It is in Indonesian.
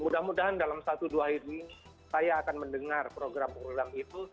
mudah mudahan dalam satu dua hari ini saya akan mendengar program program itu